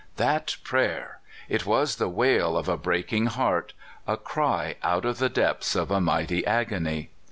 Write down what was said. That prayer ! It was the wail of a breaking heart, a cry out of the depths of a mighty agony.